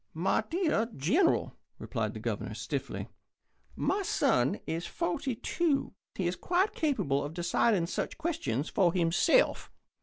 "My dear General," replied the Governor, stiffly, "my son is forty two. He is quite capable of deciding such questions for himself.